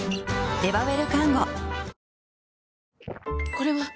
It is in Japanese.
これはっ！